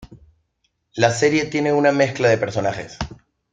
La serie tiene una mezcla de personajes.